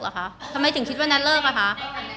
เหรอคะคิดว่านัทเลิกเหรอคะทำไมถึงคิดว่านัทเลิกเหรอคะ